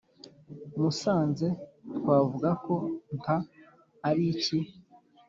Musanze twavuga ko “nta” ari iki?